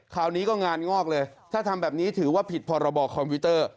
คราวนี้ก็งานงอกเลยถ้าทำแบบนี้ถือว่าผิดพรบคอมพิวเตอร์